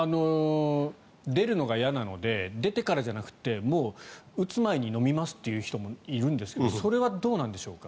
出るのが嫌なので出てからじゃなくてもう打つ前に飲みますという人もいるんですがそれはどうなんでしょうか。